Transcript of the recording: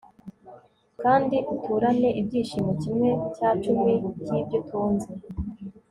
kandi uturane ibyishimo kimwe cya cumi cy'ibyo utunze